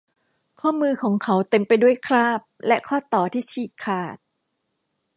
ข้อมือของเขาเต็มไปด้วยคราบและข้อต่อที่ฉีกขาด